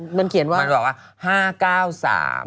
เคลียร์เขียนว่ามันบอกว่า๕๙๓